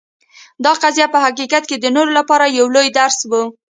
دا قضیه په حقیقت کې د نورو لپاره یو لوی درس و.